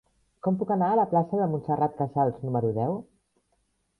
Com puc anar a la plaça de Montserrat Casals número deu?